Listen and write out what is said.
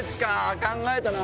考えたなぁ。